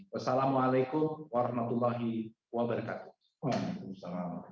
wassalamu'alaikum warahmatullahi wabarakatuh